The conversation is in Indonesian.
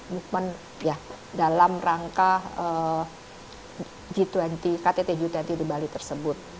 movement ya dalam rangka g dua puluh ktt g dua puluh di bali tersebut